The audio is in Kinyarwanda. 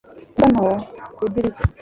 imbwa nto ku idirishya